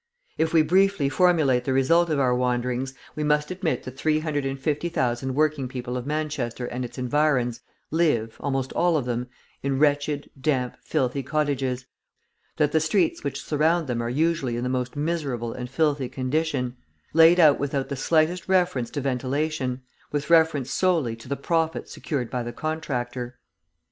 If we briefly formulate the result of our wanderings, we must admit that 350,000 working people of Manchester and its environs live, almost all of them, in wretched, damp, filthy cottages, that the streets which surround them are usually in the most miserable and filthy condition, laid out without the slightest reference to ventilation, with reference solely to the profit secured by the contractor.